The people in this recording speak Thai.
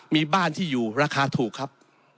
มีบ้านที่อยู่ราคาถูกครับ